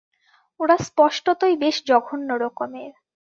ওরা স্পষ্টতই বেশ জঘন্য রকমের।